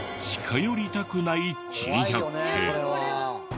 近寄りたくない珍百景。